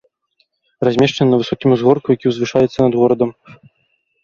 Размешчаны на высокім узгорку, які ўзвышаецца над горадам.